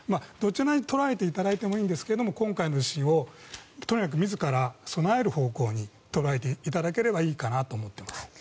どちらに捉えていただいてもいいんですけど今回の地震をとにかく自ら備える方向に捉えていただければいいかなと思っています。